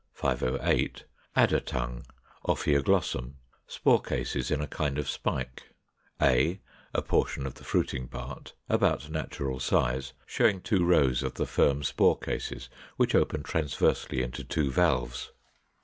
508. Adder tongue, Ophioglossum; spore cases in a kind of spike: a, a portion of the fruiting part, about natural size; showing two rows of the firm spore cases, which open transversely into two valves.